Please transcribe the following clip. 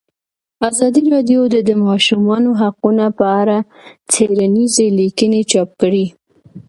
ازادي راډیو د د ماشومانو حقونه په اړه څېړنیزې لیکنې چاپ کړي.